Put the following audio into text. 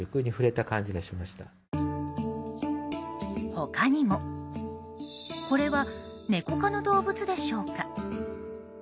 他にも、これはネコ科の動物でしょうか。